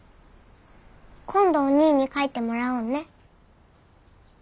今度おにぃに描いてもらおうね。